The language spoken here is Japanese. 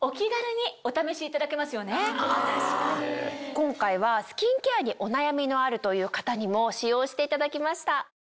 今回はスキンケアにお悩みのあるという方にも使用していただきました。